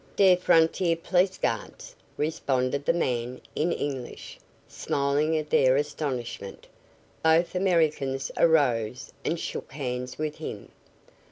"Dey're frontier police guards," responded the man in English, smiling at their astonishment. Both Americans arose and shook hands with him.